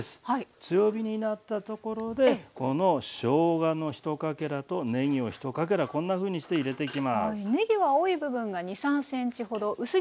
強火になったところでこのしょうがの１かけらとねぎを１かけらこんなふうにして入れていきます。